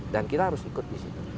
dan kita harus ikut disitu